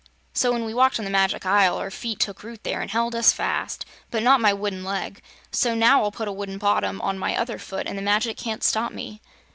So, when we walked on the Magic Isle, our feet took root there an' held us fast. But not my wooden leg. So now I'll put a wooden bottom on my other foot an' the magic can't stop me."